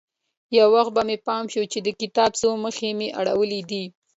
يو وخت به مې پام سو چې د کتاب څو مخه مې اړولي دي.